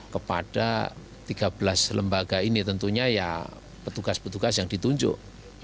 kepada tiga belas lembaga ini tentunya ya petugas petugas yang ditunjuk